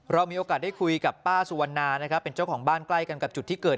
เรามีโอกาสได้คุยกับป้าสุวรรณานะครับเป็นเจ้าของบ้านใกล้กันกับจุดที่เกิด